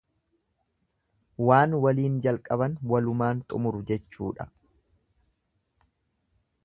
Waan waliin jalqaban walumaan xumuru jechuudha.